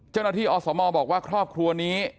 เจ้าหน้าที่อสโมบอกว่าครอบครัวนี้